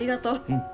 うん。